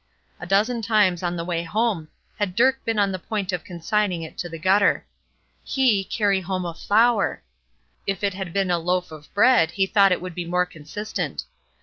A dozen times on the way home had Dirk been on the point of consigning it to the gutter. He carry home a flower! If it had been a loaf of bread he thought it would be more consistent.